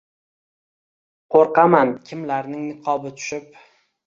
Qo’rqaman, kimlarning niqobi tushib